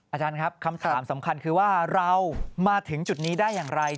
อาจารย์ครับคำถามสำคัญคือว่าเรามาถึงจุดนี้ได้อย่างไร